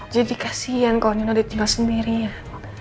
jadi kasihan kalau nino ditinggal sendirian